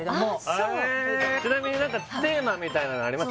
そうちなみに何かテーマみたいなのあります？